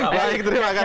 baik terima kasih